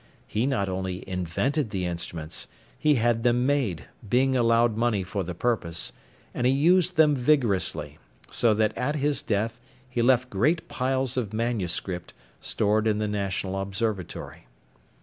He not only invented the instruments, he had them made, being allowed money for the purpose; and he used them vigorously, so that at his death he left great piles of manuscript stored in the national observatory.